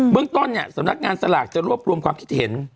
เรื่องต้นเนี่ยสำนักงานสลากจะรวบรวมความคิดเห็น